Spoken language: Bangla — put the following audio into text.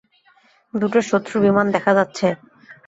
দুটো শত্রু বিমান দেখা যাচ্ছে।